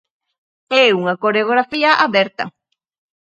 É unha coreografía aberta.